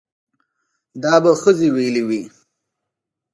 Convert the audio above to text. دا به ښځې ويلې وي